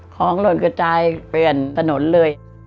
ของโดนกระจายเปลี่ยนถนนเลย